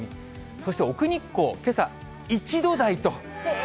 そして奥日光、けさ１度台と。